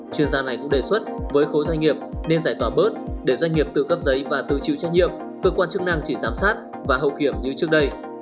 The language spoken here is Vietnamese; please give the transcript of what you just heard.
chuyên gia này cũng đề xuất với khối doanh nghiệp nên giải tỏa bớt để doanh nghiệp tự cấp giấy và tự chịu trách nhiệm cơ quan chức năng chỉ giám sát và hậu kiểm như trước đây